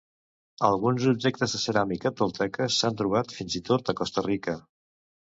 Alguns objectes de ceràmica tolteques s'han trobat fins i tot a Costa Rica.